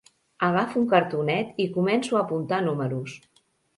Agafo un cartonet i començo a apuntar números.